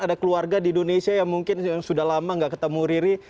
ada keluarga di indonesia yang mungkin sudah lama nggak ketemu riri